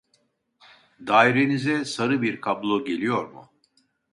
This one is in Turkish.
Dairenize sarı bir kablo geliyor mu ?